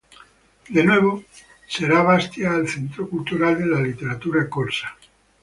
De nuevo será Bastia el centro cultural de la literatura corsa.